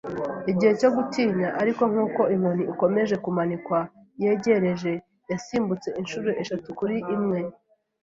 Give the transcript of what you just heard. igihe cyo gutinya, ariko nkuko inkoni ikomeje kumanikwa yegereje, yasimbutse inshuro eshatu kuri imwe